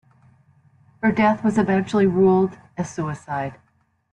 Her death was eventually ruled a suicide.